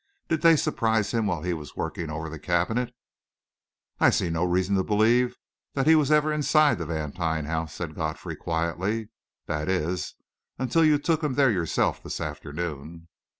Did they surprise him while he was working over the cabinet?" "I see no reason to believe that he was ever inside the Vantine house," said Godfrey quietly; "that is, until you took him there yourself this afternoon."